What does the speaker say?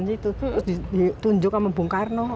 terus ditunjuk sama bung karno